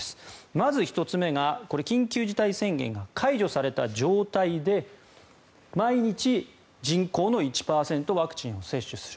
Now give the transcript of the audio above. まず１つ目が緊急事態宣言が解除された状態で毎日、人口の１％ワクチンを接種する。